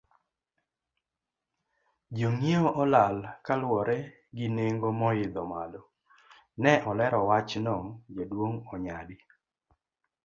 Jongiewo olal kaluwore gi nengo moidho malo, ne olero wachno, jaduong Onyadi.